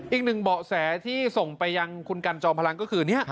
เบาะแสที่ส่งไปยังคุณกันจอมพลังก็คือ